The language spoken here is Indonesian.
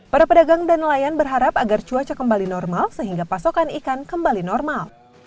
para pedagang dan nelayan berharap agar cuaca kembali normal sehingga pasokan ikan kembali normal